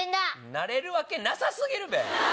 なれるわけなさ過ぎるべ！